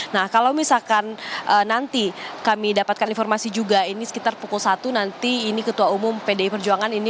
nah kalau misalkan nanti kami dapatkan informasi juga ini sekitar pukul satu nanti ini ketua umum pdi perjuangan ini